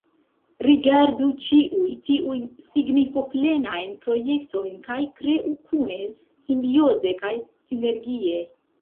Rigardu ĉiuj tiujn signifoplenajn projektojn, kaj kreu kune, simbioze kaj sinergie!